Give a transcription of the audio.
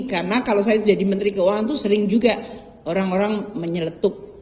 karena kalau saya jadi menteri keuangan itu sering juga orang orang menyeletuk